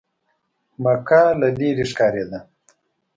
مکه له لرې ښکارېده.